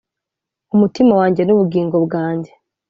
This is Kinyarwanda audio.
umutima wanjye n'ubugingo bwanjye